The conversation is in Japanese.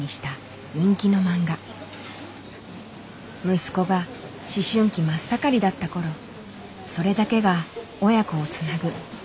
息子が思春期真っ盛りだった頃それだけが親子をつなぐ唯一の話題だったという。